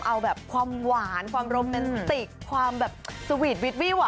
เอาแบบความหวานความโรแมนติกความแบบสวีทวิตวี่หวาน